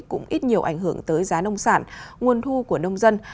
cũng ít nhiều ảnh hưởng tới giá nông sản nguồn thu của nông dân